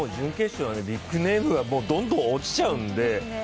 準決勝はビッグネームがどんどん落ちちゃうので。